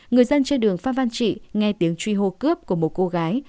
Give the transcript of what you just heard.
người dân trên đường phan văn trị nghe tiếng truy hô cướp của một cô gái